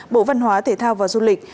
bộ văn hóa thể thao và du lịch